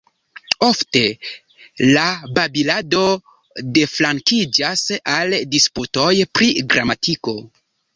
Ofte, la babilado deflankiĝas al disputoj pri gramatiko.